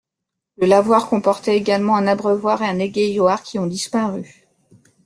Le lavoir comportait également un abreuvoir et un égayoir, qui ont disparu.